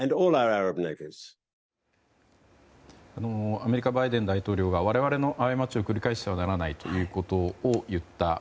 アメリカバイデン大統領が我々の過ちを繰り返してはならないということを言った。